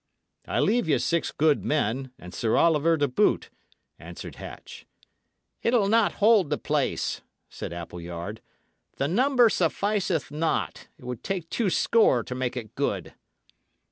"I leave you six good men, and Sir Oliver to boot," answered Hatch. "It'll not hold the place," said Appleyard; "the number sufficeth not. It would take two score to make it good."